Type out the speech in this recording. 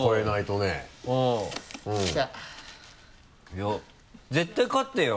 いや絶対勝ってよ。